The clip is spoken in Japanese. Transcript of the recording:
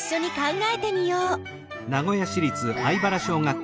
え？